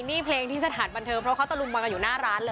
นี่เพลงที่สถานบันเทิงเพราะเขาตะลุมบอลกันอยู่หน้าร้านเลย